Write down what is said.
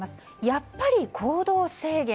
やっぱり行動制限？